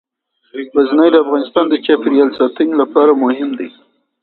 غزني د افغانستان د چاپیریال ساتنې لپاره مهم دي.